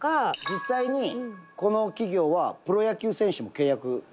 「実際にこの企業はプロ野球選手も契約してるんです」